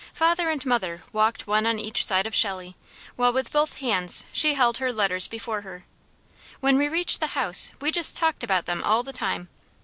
Father and mother walked one on each side of Shelley, while with both hands she held her letters before her. When we reached the house we just talked about them all the time.